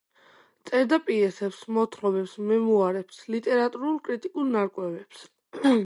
წერდა პიესებს, მოთხრობებს, მემუარებს, ლიტერატურულ-კრიტიკულ ნარკვევებს.